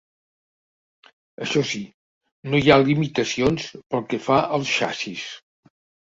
Això sí, no hi ha limitacions pel que fa al xassís.